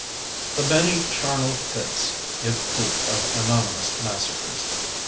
The many charnel pits give proof of anonymous massacres.